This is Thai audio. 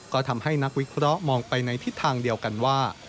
ก็ทำให้นักวิเคราะห์มองไปในทิศทางเดียวกันว่า